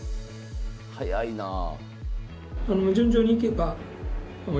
早いなあ。